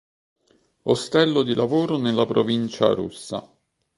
Ostello di lavoro nella provincia russa.